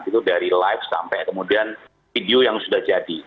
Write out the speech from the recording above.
itu dari live sampai kemudian video yang sudah jadi